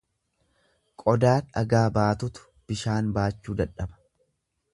Qodaa dhagaa baatutu bishaan baachuu dadhaba.